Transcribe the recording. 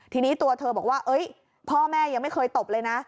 ทีนี้ตัวเธอบอกว่าพ่อแม่ยังไม่เคยตบเลยนะ